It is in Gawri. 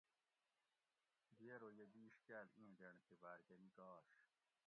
دی ارو یہ بِیش کاۤل ایں ڈینڑ تھی باۤر کہۤ نِکاش